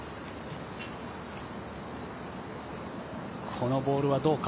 このボールはどうか。